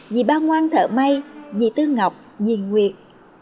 dì ba ngoan thợ may dì tư ngọc dì nguyệt